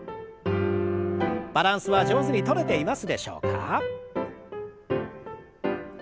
バランスは上手にとれていますでしょうか？